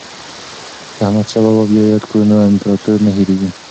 که احمد شاه بابا یاد کړو نو امپراتوري نه هیریږي.